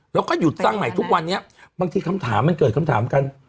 แล้วก็หยุดสร้างใหม่ทุกวันนี้บางทีคำถามมันเกิดคำถามกัน